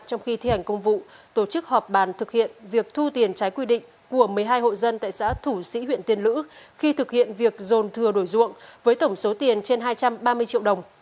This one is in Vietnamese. trong khi thi hành công vụ tổ chức họp bàn thực hiện việc thu tiền trái quy định của một mươi hai hộ dân tại xã thủ sĩ huyện tiên lữ khi thực hiện việc dồn thừa đổi ruộng với tổng số tiền trên hai trăm ba mươi triệu đồng